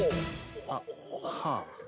あっはあ。